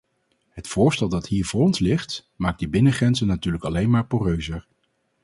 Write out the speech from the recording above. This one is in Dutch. Het voorstel dat hier voor ons ligt, maakt die binnengrenzen natuurlijk alleen maar poreuzer.